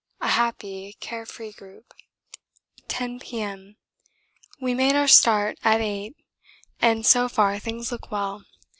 A happy, care free group. 10 P.M. We made our start at eight, and so far things look well.